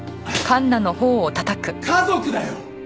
家族だよ！